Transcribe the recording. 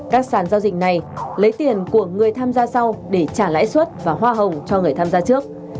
các sản giao dịch này lấy tiền của người tham gia sau để trả lãi suất và hoa hồng cho người tham gia trước